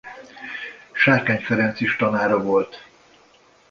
Sárkány Ferenc is tanára volt.